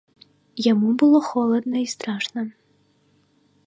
Яму было холадна і страшна.